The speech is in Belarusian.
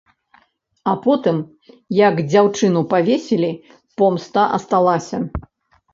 А потым, як дзяўчыну павесілі, помста асталася.